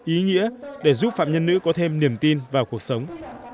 ý nghĩa để giúp phạm nhân nữ có thêm niềm tin vào cuộc sống